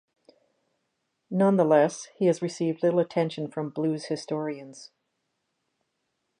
Nonetheless, he has received little attention from blues historians.